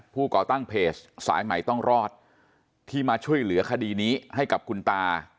ก่อตั้งเพจสายใหม่ต้องรอดที่มาช่วยเหลือคดีนี้ให้กับคุณตา